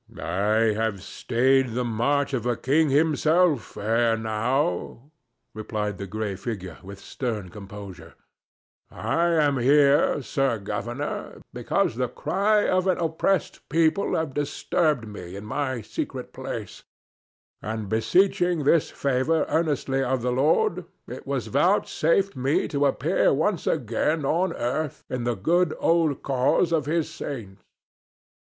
"I have stayed the march of a king himself ere now," replied the gray figure, with stern composure. "I am here, Sir Governor, because the cry of an oppressed people hath disturbed me in my secret place, and, beseeching this favor earnestly of the Lord, it was vouchsafed me to appear once again on earth in the good old cause of his saints.